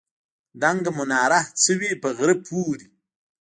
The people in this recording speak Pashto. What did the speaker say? دنګه مناره څه وي په غره پورې.